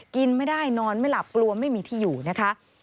กินไม่ได้นอนไม่หลับกลัวไม่มีที่อยู่นะคะ